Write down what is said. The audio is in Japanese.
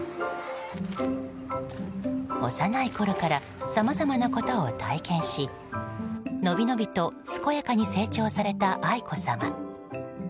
幼いころからさまざまなことを体験しのびのびと健やかに成長された愛子さま。